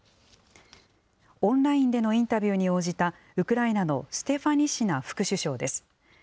オンラインでのインタビューに応じたウクライナのステファニシナ副首相です。